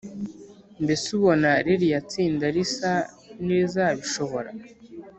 Mbese ubona ririya tsinda risa nirizabishobora